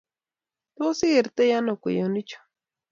Tos igertei ano kweyonichu?